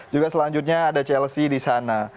juga selanjutnya ada chelsea di sana